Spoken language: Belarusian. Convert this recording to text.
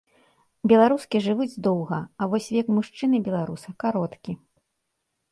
Беларускі жывуць доўга, а вось век мужчыны-беларуса кароткі.